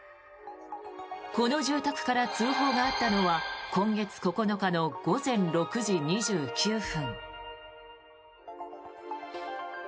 この住宅から通報があったのは今月９日の午前６時２９分。